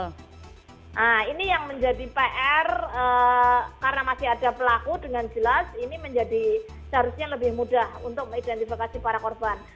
nah ini yang menjadi pr karena masih ada pelaku dengan jelas ini menjadi seharusnya lebih mudah untuk mengidentifikasi para korban